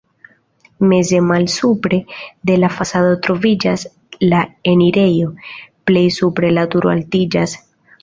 Meze, malsupre de la fasado troviĝas la enirejo, plej supre la turo altiĝas.